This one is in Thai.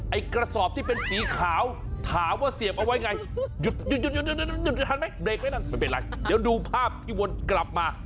ไอ้กระสอบที่เป็นสีขาวถามว่าเสียบเอาไว้ไงหันไหมมันเป็นไรเดี๋ยวดูภาพที่วนกลับมา